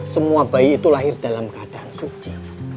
semua bayi itu lahir dalam keadaan suci